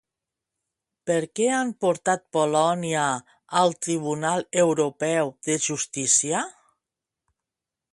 Per què han portat Polònia al Tribunal Europeu de Justícia?